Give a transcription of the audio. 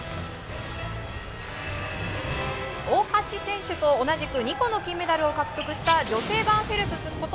大橋選手と同じく２個の金メダルを獲得した女性版フェルプスこと